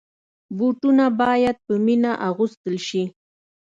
بوټونه باید په مینه اغوستل شي.